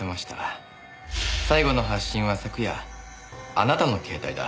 最後の発信は昨夜あなたの携帯だ。